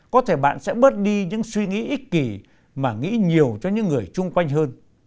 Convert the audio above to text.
có thể bạn sẽ bớt đi những suy nghĩ ích kỳ mà nghĩ nhiều cho những người chung quanh hơn